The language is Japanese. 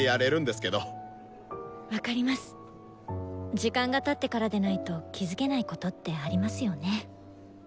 時間がたってからでないと気付けないことってありますよね。